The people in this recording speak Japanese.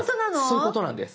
そういうことなんです。